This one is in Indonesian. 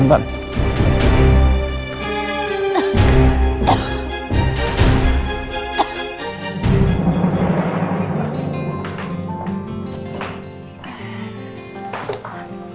tidak ada apa apa